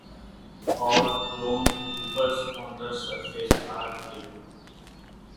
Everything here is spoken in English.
All clone troopers on the surface are killed.